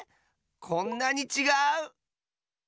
こんなにちがう！